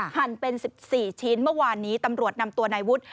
หั่นเป็น๑๔ชิ้นเมื่อวานนี้ตำรวจนำตัวนายวุฒิ